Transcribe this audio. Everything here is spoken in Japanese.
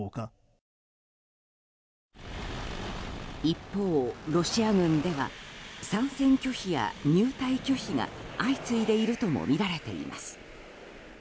一方、ロシア軍では参戦拒否や入隊拒否が相次いでいるともみられています。